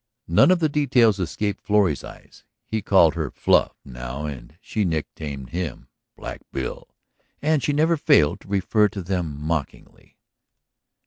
None of the details escaped Florrie's eyes ... he called her "Fluff" now and she nicknamed him "Black Bill" ... and she never failed to refer to them mockingly.